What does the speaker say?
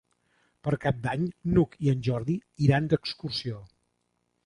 Per Cap d'Any n'Hug i en Jordi iran d'excursió.